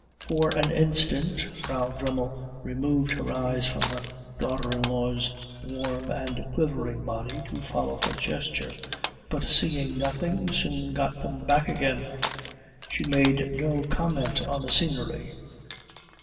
For an instant Frau Dremmel removed her eyes from her daughter in law's warm and quivering body to follow her gesture, but seeing nothing soon got them back again. She made no comment on the scenery.